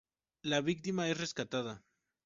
La víctima es rescatada.